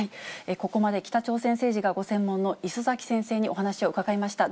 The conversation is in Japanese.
ここまで北朝鮮政治がご専門の礒崎先生にお話を伺いました。